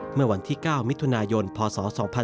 เมื่อวันที่๙มิถุนายนพศ๒๕๖๒